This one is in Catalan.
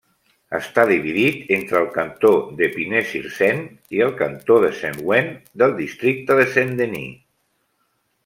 Està dividit entre el cantó d'Épinay-sur-Seine i el cantó de Saint-Ouen, del districte de Saint-Denis.